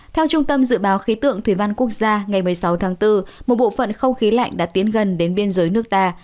theo trung tâm dự báo khí tượng thủy văn quốc gia ngày một mươi sáu tháng bốn một bộ phận không khí lạnh đã tiến gần đến biên giới nước ta